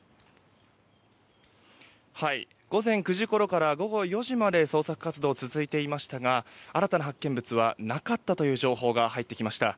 午前９時ごろから午後４時まで捜索活動が続いていましたが新たな発見物はなかったという情報が入ってきました。